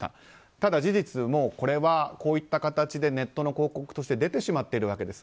ただ、事実これはこういった形でネットの広告として出てしまっているわけです。